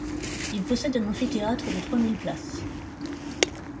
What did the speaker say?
Il possède un amphithéâtre de trois mille places.